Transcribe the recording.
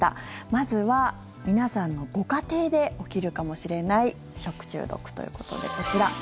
まずは皆さんのご家庭で起きるかもしれない食中毒ということでこちら。